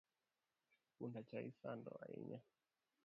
Punda cha isando ahinya